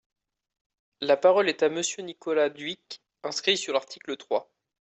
La parole est à Monsieur Nicolas Dhuicq, inscrit sur l’article trois.